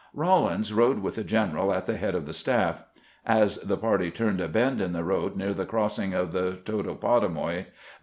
Rawlins rode with the general at the head of the staff. As the party turned a bend in the road near the crossing of the Totopotomoy, the.